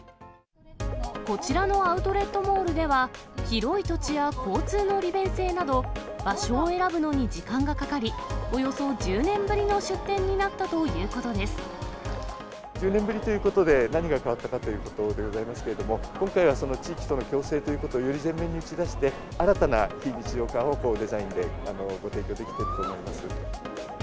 こちらのアウトレットモールでは、広い土地や交通の利便性など、場所を選ぶのに時間がかかり、およそ１０年ぶりの出店になった１０年ぶりということで、何が変わったかということでございますけれども、今回は地域との共生ということをより全面に打ち出して、新たな非日常化を、デザインでご提供できていると思います。